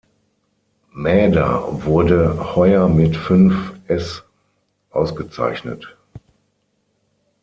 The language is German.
Mäder wurde heuer mit fünf Es ausgezeichnet.